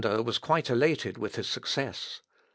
Alcander was quite elated with his success.